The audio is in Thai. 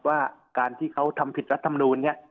ว่าการที่เขาทำผิดรัฐมนูลเนี่ย